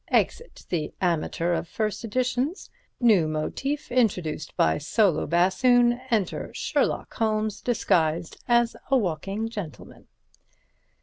Exit the amateur of first editions; new motif introduced by solo bassoon; enter Sherlock Holmes, disguised as a walking gentleman.